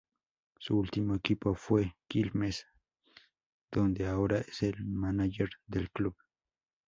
Su último equipo fue Quilmes, donde ahora es el mánager del club.